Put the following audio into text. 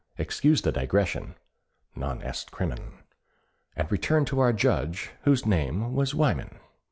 Excuse the digression—non est crimen— And return to our Judge, whose name was Wyman.